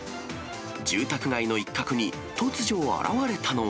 住宅街の一角に、突如現れたのは、